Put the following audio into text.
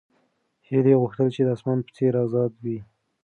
هیلې غوښتل چې د اسمان په څېر ازاده وي.